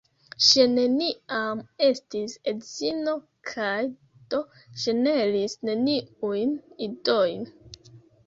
Ŝi neniam estis edzino kaj do generis neniujn idojn.